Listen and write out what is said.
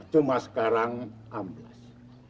cuma sekarang amblas